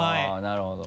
なるほど。